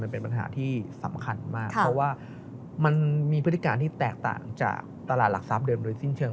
มันเป็นปัญหาที่สำคัญมากเพราะว่ามันมีพฤติการที่แตกต่างจากตลาดหลักทรัพย์เดิมโดยสิ้นเชิง